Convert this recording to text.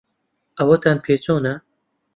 ئەوەت پێ چۆنە؟